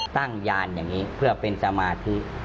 ยานอย่างนี้เพื่อเป็นสมาธิ